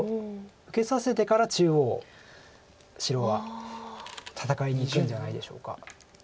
受けさせてから中央白は戦いにいくんじゃないでしょうか。